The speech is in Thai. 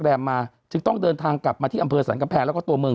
มาจึงต้องเดินทางกลับมาที่อำเภอสรรกำแพงแล้วก็ตัวเมือง